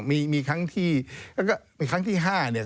มีครั้งที่มีครั้งที่๕เนี่ย